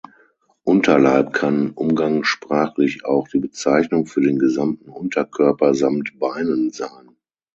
Unterleib kann umgangssprachlich auch die Bezeichnung für den gesamten Unterkörper samt Beinen sein.